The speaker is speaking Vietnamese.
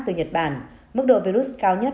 từ nhật bản mức độ virus cao nhất